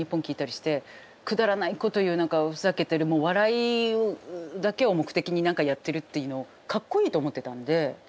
してくだらないこと言う何かふざけてるもう笑いだけを目的に何かやってるっていうのをかっこいいと思ってたんで。